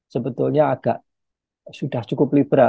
sebetulnya agak sudah cukup liberal